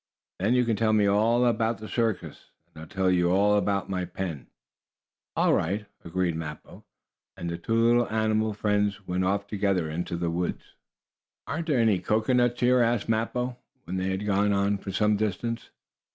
"Then you can tell me all about the circus, and I'll tell you all about my pen." "All right," agreed Mappo, and the two little animal friends went off together into the woods. "Are there any cocoanuts here?" asked Mappo, when they had gone on for some distance.